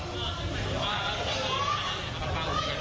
โน้ท